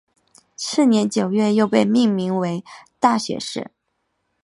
次年九月又被命为大学士。